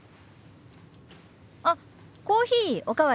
あっコーヒーお代わりする？